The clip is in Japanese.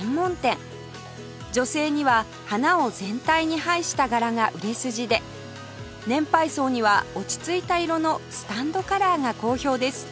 女性には花を全体に配した柄が売れ筋で年配層には落ち着いた色のスタンドカラーが好評です